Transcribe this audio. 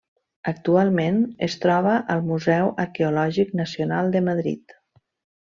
Actualment es troba al Museu Arqueològic Nacional de Madrid.